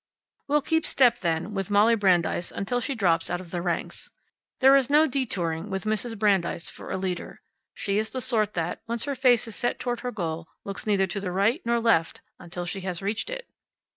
We'll keep step, then, with Molly Brandeis until she drops out of the ranks. There is no detouring with Mrs. Brandeis for a leader. She is the sort that, once her face is set toward her goal, looks neither to right nor left until she has reached it.